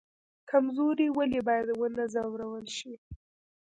کمزوری ولې باید ونه ځورول شي؟